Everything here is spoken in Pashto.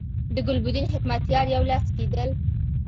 د ګلبدین حکمتیار یو لاس کېدل.